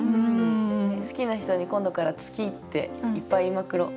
好きな人に今度から「月」っていっぱい言いまくろ。